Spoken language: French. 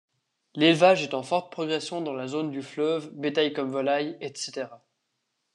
L'élevage est en forte progression dans la zone du fleuve, bétail comme volaille, etc.